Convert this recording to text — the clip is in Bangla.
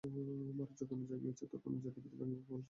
ভারত যখনই জাগিয়াছে, তখনই জাতিভেদ ভাঙিবার প্রবল চেষ্টা হইয়াছে।